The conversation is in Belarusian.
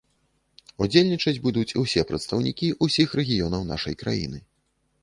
Удзельнічаць будуць усе прадстаўнікі ўсіх рэгіёнаў нашай краіны.